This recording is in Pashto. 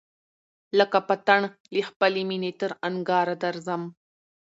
لکه پتڼ له خپلی مېني تر انگاره درځم